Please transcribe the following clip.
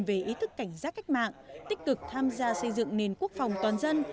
về ý thức cảnh giác cách mạng tích cực tham gia xây dựng nền quốc phòng toàn dân